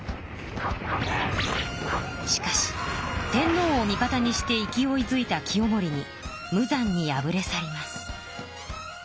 しかし天のうを味方にして勢いづいた清盛に無残に敗れ去ります。